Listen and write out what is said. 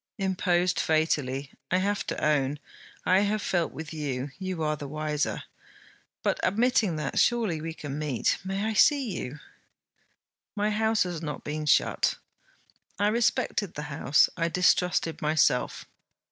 'Imposed fatally, I have to own. I have felt with you: you are the wiser. But, admitting that, surely we can meet. I may see you?' 'My house has not been shut.' 'I respected the house. I distrusted myself.'